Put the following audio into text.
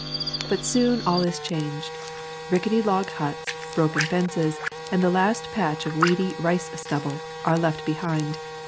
But soon all is changed. Rickety log huts, broken fences, and the last patch of weedy rice stubble are left behind.